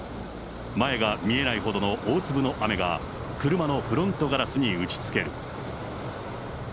前が見えないほどの大粒の雨が、車のフロントガラスに打ちつける。